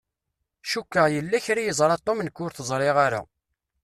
Cukkeɣ yella kra i yeẓṛa Tom nekk ur t-ẓṛiɣ ara.